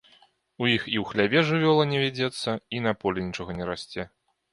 У іх і ў хляве жывёла не вядзецца і на полі нічога не расце.